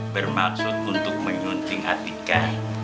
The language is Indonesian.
bermaksud untuk menyunting atika